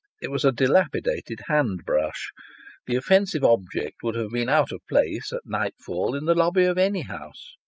It was a dilapidated hand brush. The offensive object would have been out of place, at nightfall, in the lobby of any house.